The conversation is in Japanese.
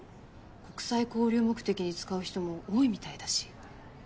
国際交流目的で使う人も多いみたいだし。